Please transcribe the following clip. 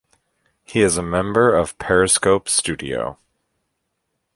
He is a member of Periscope Studio.